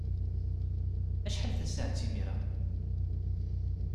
Acḥal tasaɛet imir-a?